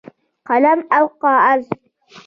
قلم او کاغذ